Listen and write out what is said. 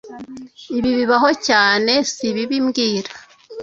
Ibi bibaho cyane, sibi mbwira